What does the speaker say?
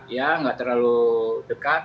ya gak terlalu dekat